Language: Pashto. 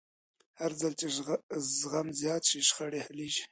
هرځل چې زغم زیات شي، شخړې حل کېږي.